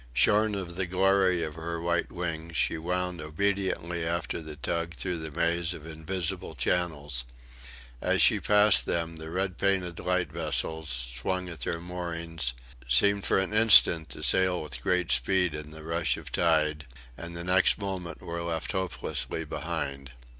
Shorn of the glory of her white wings, she wound obediently after the tug through the maze of invisible channels. As she passed them the red painted light vessels, swung at their moorings, seemed for an instant to sail with great speed in the rush of tide, and the next moment were left hopelessly behind.